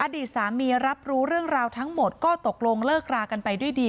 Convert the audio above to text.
อดีตสามีรับรู้เรื่องราวทั้งหมดก็ตกลงเลิกรากันไปด้วยดี